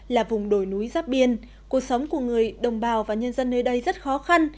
là vùng đồi núi giáp biên cuộc sống của người đồng bào và nhân dân nơi đây rất khó khăn